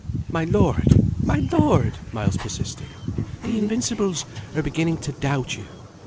"My lord! my lord!" Miles persisted; "the Invincibles are beginning to doubt you.